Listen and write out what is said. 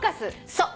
そう！